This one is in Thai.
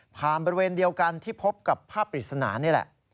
บริเวณเดียวกันที่พบกับภาพปริศนานี่แหละ